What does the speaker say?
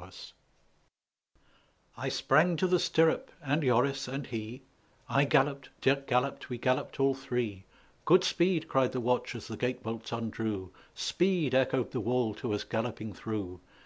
jpg} I sprang to the stirrup, and Joris and he: I galloped, Dirck galloped, we galloped all three; "Good speed!" cried the watch as the gate bolts undrew, "Speed!" echoed the wall to us galloping through.